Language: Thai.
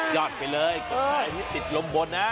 ยอดไปเลยตอนที่ติดลมบ่นนะ